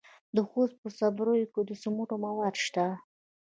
د خوست په صبریو کې د سمنټو مواد شته.